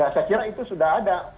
saya kira itu sudah ada